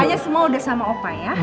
doanya semua udah sama oppa ya